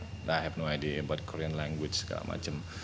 saya tidak punya ide untuk bahasa korea dan segala macam